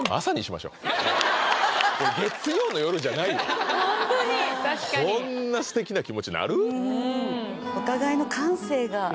これ確かにこんなすてきな気持ちなる？